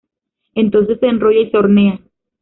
Entonces se enrolla y se hornea.